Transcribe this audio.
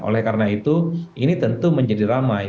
oleh karena itu ini tentu menjadi ramai